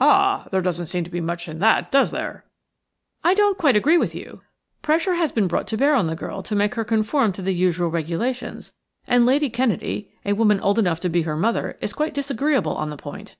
"Ah! there doesn't seem to be much in that, does there?" "I don't quite agree with you. Pressure has been brought to bear on the girl to make her conform to the usual regulations, and Lady Kennedy, a woman old enough to be her mother, is quite disagreeable on the point."